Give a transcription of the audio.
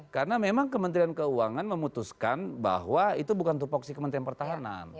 karena memang kementerian keuangan memutuskan bahwa itu bukan topoksi kementerian pertahanan